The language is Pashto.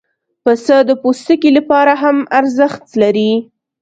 پسه د پوستکي لپاره هم ارزښت لري.